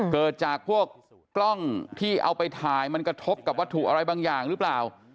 เกิดจากพวกกล้องที่เอาไปถ่ายมันกระทบกับวัตถุอะไรบางอย่างหรือเปล่า